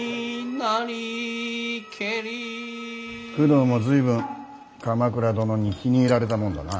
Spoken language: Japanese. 工藤も随分鎌倉殿に気に入られたもんだな。